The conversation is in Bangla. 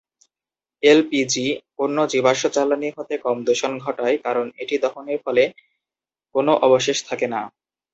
এল পি জি অন্য জীবাশ্ম জ্বালানী হতে কম দূষণ ঘটায় কারণ এটি দহনের ফলে কোন অবশেষ থাকেনা।